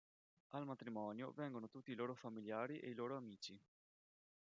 Al matrimonio vengono tutti i loro familiari e i loro amici.